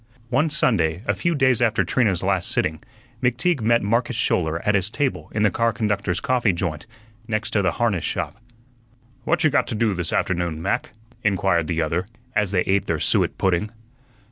One Sunday, a few days after Trina's last sitting, McTeague met Marcus Schouler at his table in the car conductors' coffee joint, next to the harness shop. "What you got to do this afternoon, Mac?" inquired the other, as they ate their suet pudding.